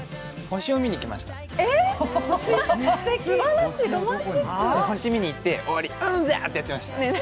星を見に行ってうんだーってやってました。